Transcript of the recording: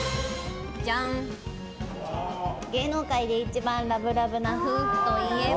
芸能界で一番ラブラブな夫婦といえば？